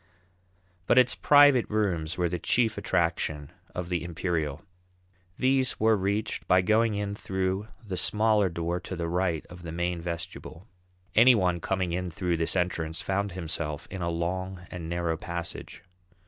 But its "private rooms" were the chief attraction of the Imperial. These were reached by going in through the smaller door to the right of the main vestibule. Any one coming in through this entrance found himself in a long and narrow passage.